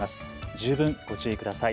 十分ご注意ください。